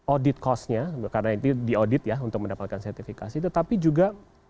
audit costnya karena itu di audit ya untuk mendapatkan sertifikasi tetapi juga